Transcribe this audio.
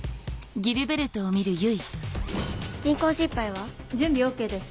人工心肺は？準備ＯＫです。